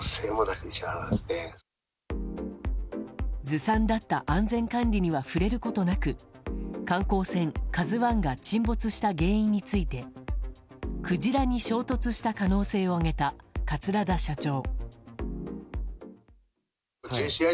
ずさんだった安全管理には触れることなく観光船「ＫＡＺＵ１」が沈没した原因についてクジラに衝突した可能性を挙げた桂田社長。